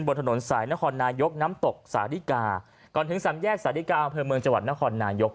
บนถนนสายนครนายกน้ำตกสาธิกาก่อนถึงสามแยกสาธิกาอำเภอเมืองจังหวัดนครนายก